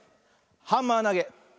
ハンマーなげ。